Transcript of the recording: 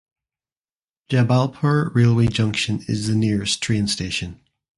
Jabalpur railway junction is the nearest train station.